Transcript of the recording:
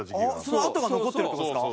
その跡が残ってるって事ですか？